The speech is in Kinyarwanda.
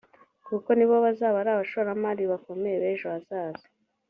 kuko nibo bazaba ari abashoramari bakomeye b’ejo hazaza